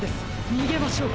にげましょう！